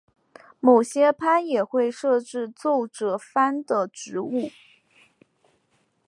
某些藩也会设置奏者番的职务。